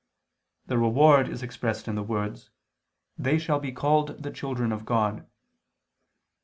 The reward is expressed in the words, "they shall be called the children of God."